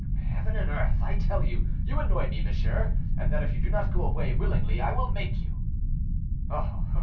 "Heaven and earth! I tell you, you annoy me, monsieur, and that if you do not go away willingly I will make you."